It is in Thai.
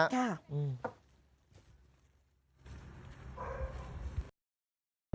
จ้า